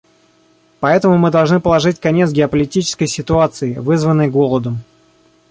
Поэтому мы должны положить конец геополитической ситуации, вызванной голодом.